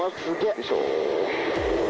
よいしょ。